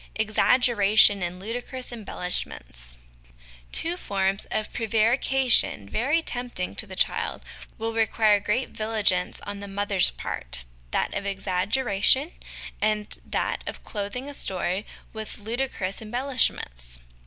Exaggeration and Ludicrous Embellishments. Two forms of prevarication, very tempting to the child, will require great vigilance on the mother's part that of exaggeration and that of clothing a story with ludicrous embellishments.